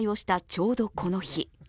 ちょうどこの日。